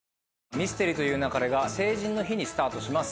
『ミステリと言う勿れ』が成人の日にスタートします。